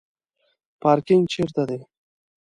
پارکینګ چیرته دی؟